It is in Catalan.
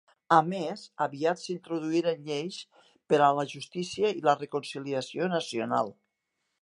A més, aviat s'introduirien lleis per a la justícia i la reconciliació nacional.